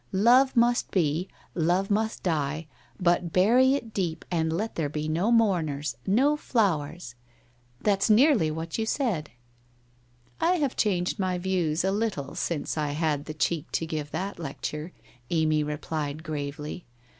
Love must be, love must die, but bury it deep, and let there be no mourners, no flowers." That's nearly what you said/ ' I have changed my views a little since I had the cheek to give that lecture,' Amy replied gravely.